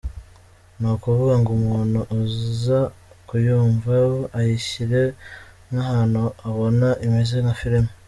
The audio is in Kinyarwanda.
Ni ukuvuga ngo umuntu uza kuyumva, ayishyire nk’ahantu abone imeze nka film.